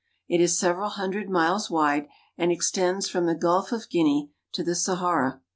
It is several hun dred miles wide, and extends from the Gulf of Guinea to the Sahara.